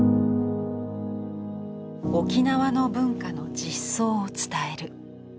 沖縄の文化の実相を伝える。